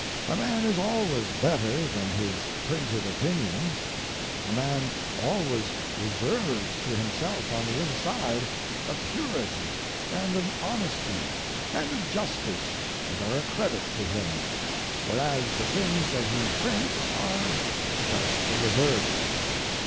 A man is always better than his printed opinions. A man always reserves to himself on the inside a purity and an honesty and a justice that are a credit to him, whereas the things that he prints are just the reverse.